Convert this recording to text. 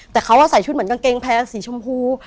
แต่เขาใส่ชุดเหมือนกางเกงแพงสีชมพู